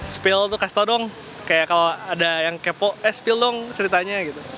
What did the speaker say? spil itu kasih tau dong kayak kalau ada yang kepo eh spil dong ceritanya gitu